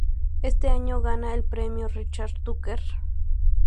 Ese año gana el Premio Richard Tucker.